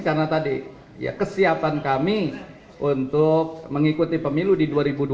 karena tadi kesiapan kami untuk mengikuti pemilu di dua ribu dua puluh empat